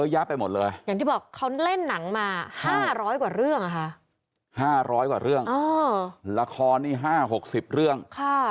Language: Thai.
อย่างที่บอกเขาเล่นหนังมา๕๐๐กว่าเรื่องค่ะ๕๐๐กว่าเรื่องละครนี่๕๖๐เรื่องค่ะ